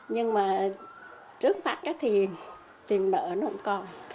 nhưng mà trước mắt cái tiền tiền đỡ nó không còn